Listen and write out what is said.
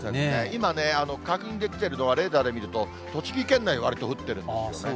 今ね、確認できてるのはレーダーで見ると、栃木県内、わりと降ってるんですよね。